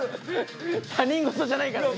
他人事じゃないからね。